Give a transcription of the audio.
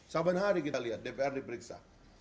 saban hari kita lihat dpr diperiksa